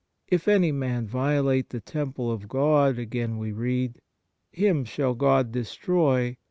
"If any man violate the temple of God," again we read, " him shall God destroy.